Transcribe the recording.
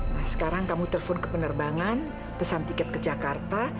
nah sekarang kamu telpon ke penerbangan pesan tiket ke jakarta